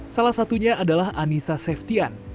salah satunya adalah anissa seftian